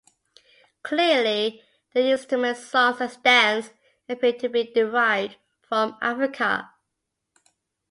Clearly, the instrument, songs and dance appear to be derived from Africa.